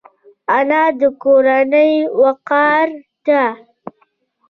انا د کورنۍ وقار ده